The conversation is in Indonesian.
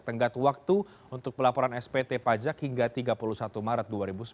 tenggat waktu untuk pelaporan spt pajak hingga tiga puluh satu maret dua ribu sembilan belas